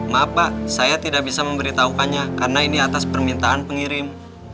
maaf pak saya tidak bisa memberitahukannya karena ini atas permintaan pengirim